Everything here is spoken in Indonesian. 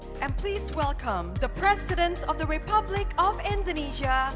dan silakan mengucapkan selamat datang kepada presiden republik indonesia